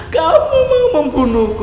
kamu mau membunuhku